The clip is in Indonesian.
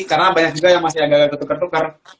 karena banyak juga yang masih agak ketuk ketuk karena